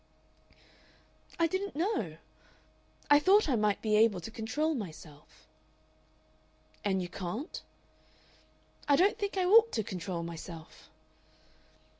"I didn't know I thought I might be able to control myself." "And you can't?" "I don't think I ought to control myself."